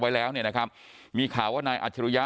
ไว้แล้วเนี่ยนะครับมีข่าวว่านายอัจฉริยะ